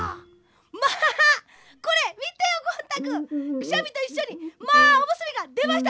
くしゃみといっしょにまあおむすびがでました！